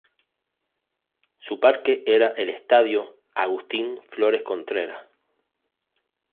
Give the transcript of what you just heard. Su parque era el Estadio "Agustín Flores Contreras".